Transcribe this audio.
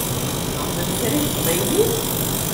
Texdem kra i teqbaylit?